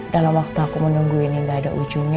dalam waktu aku menunggu ini gak ada ujungnya